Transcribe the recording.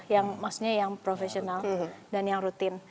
yang maksudnya yang profesional dan yang rutin